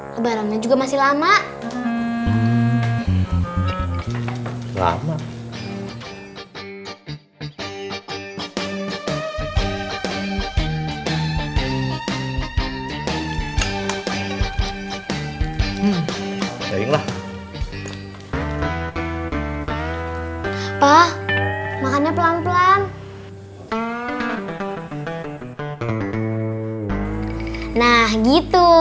lebarannya juga berapa hari lagi